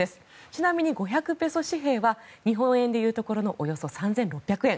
ちなみに５００ペソ紙幣は日本円でいうところのおよそ３６００円。